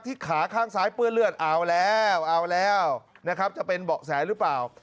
ที่ขาข้างซ้ายเปื้อเลือดอ้าวแล้วเป็นเบาะแสหรือเปล่า